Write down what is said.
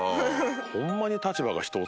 ホンマに。